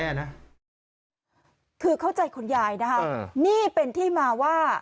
คือเข้าใจคุณยายนะคะนี่เป็นที่มาว่า